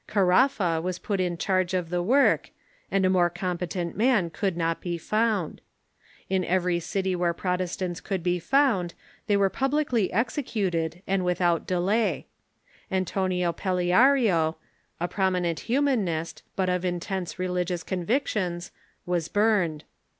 Caraffa was put in charge of the work, and a more competent man could not be found. In every city where Protestants could be found they were pub licly executed, and without delaj'. Antonio Paleario, a prom inent Humanist, but of intense religious convictions, was burned.